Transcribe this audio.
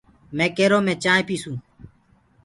مي ڪيرو مي چآنٚه پيٚسونٚ